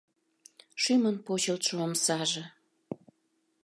ШӰМЫН ПОЧЫЛТШО ОМСАЖЕ